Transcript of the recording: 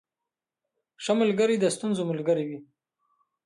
• ښه ملګری د ستونزو ملګری وي.